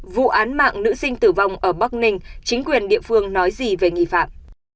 vụ án mạng nữ sinh tử vong ở bắc ninh chính quyền địa phương nói gì về nghi phạm